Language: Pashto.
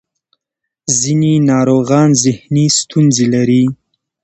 ځینې ناروغان ذهني ستونزې لري.